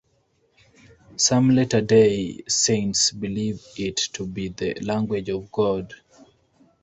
Some Latter Day Saints believe it to be the language of God.